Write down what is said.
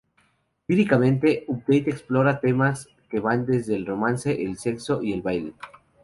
Líricamente, Update explora temas que van desde el romance, el sexo y el baile.